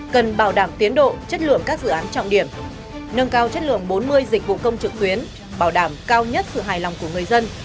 cần bảo đảm tiến độ chất lượng các dự án trọng điểm nâng cao chất lượng bốn mươi dịch vụ công trực tuyến bảo đảm cao nhất sự hài lòng của người dân